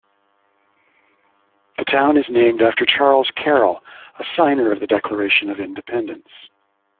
The town is named after Charles Carroll, a signer of the Declaration of Independence.